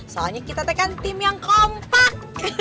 soalnya kita tekan tim yang kompak